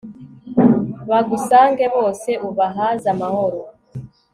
bagusange bose, ubahaze amahoro